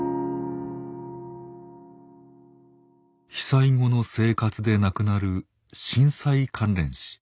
被災後の生活で亡くなる震災関連死。